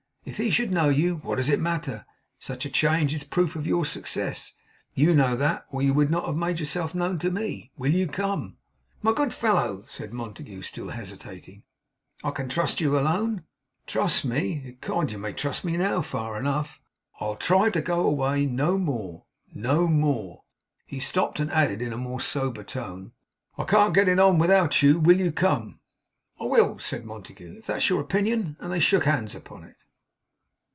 If he should know you, what does it matter? Such a change is a proof of your success. You know that, or you would not have made yourself known to me. Will you come?' 'My good fellow,' said Montague, still hesitating, 'I can trust you alone.' 'Trust me! Ecod, you may trust me now, far enough. I'll try to go away no more no more!' He stopped, and added in a more sober tone, 'I can't get on without you. Will you come?' 'I will,' said Montague, 'if that's your opinion.' And they shook hands upon it.